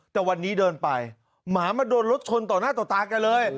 แต่วันนี้เดินไปหมามาโดนรถชนต่อหน้าต่อตาแกเลย